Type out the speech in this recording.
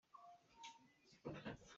Chikhat te ah a ra ṭhan lai.